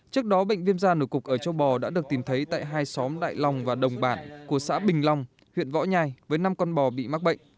trước đó bệnh viêm da nổi cục ở châu bò đã được tìm thấy tại hai xóm đại long và đồng bản của xã bình long huyện võ nhai với năm con bò bị mắc bệnh